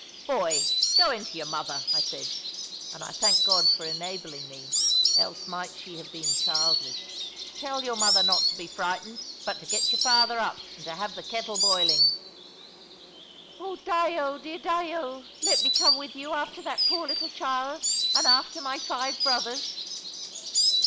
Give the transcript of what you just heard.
"Boy, go into your mother," I said; and I thank God for enabling me, else might she have been childless. "Tell your mother not to be frightened, but to get your father up, and to have the kettle boiling." "Oh, Dyo dear Dyo! let me come with you, after that poor little child, and after my five brothers."